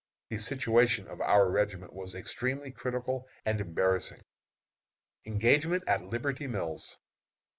The situation of our regiment was extremely critical and embarrassing. ENGAGEMENT AT LIBERTY MILLS.